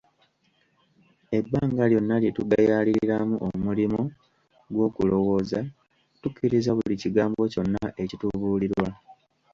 Ebbanga lyonna lye tugayaliriramu omulimo gw'okulowooza, tukkiriza buli kigambo kyonna ekitubuulirwa.